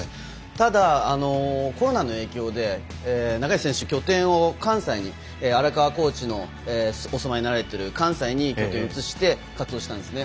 ただ、コロナの影響で中西選手、拠点を関西に荒川コーチのお住まいになられている関西に拠点を移して活動してたんですね。